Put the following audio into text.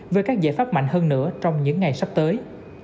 về các giải pháp mạnh hơn nữa trong những ngày sắp tới